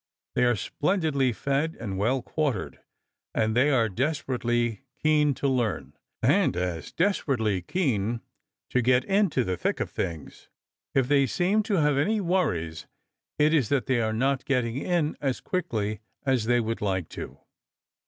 They are splendidly fed and well quartered, and they are desperately keen to learn, and as desperately keen to get into the thick of things. If they seem to have any worries it is that they are not getting in as quickly as they would like to.